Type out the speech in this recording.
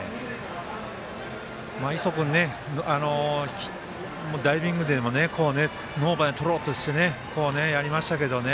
磯君、ダイビングでもノーバンでとろうとしてやりましたけどね。